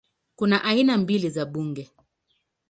Kuna aina mbili za bunge